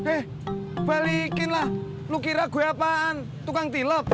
eh balikinlah lo kira gue apaan tukang tilap